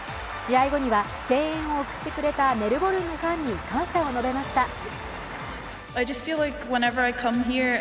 試合後には声援を送ってくれたメルボルンのファンに感謝を述べました。